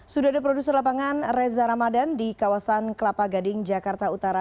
sudah ada produser lapangan reza ramadan di kawasan kelapa gading jakarta utara